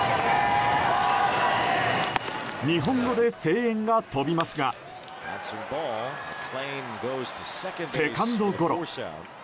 日本語で声援が飛びますがセカンドゴロ。